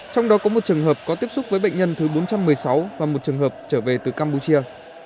trong đó có một trường hợp có tiếp xúc với bệnh nhân thứ bốn trăm một mươi sáu và một trường hợp trở về từ campuchia